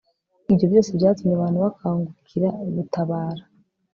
ibyo byose byatumye abantu bakangukira gutabara